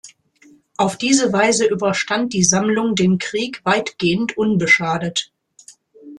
Auf diese Weise überstand die Sammlung den Krieg weitgehend unbeschadet.